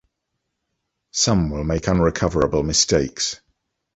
Some will make unrecoverable mistakes...